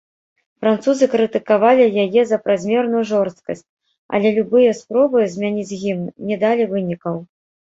Французы крытыкавалі яе за празмерную жорсткасць, але любыя спробы змяніць гімн не далі вынікаў.